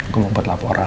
gue mau buat laporan